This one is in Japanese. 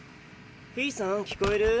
フィーさん聞こえる？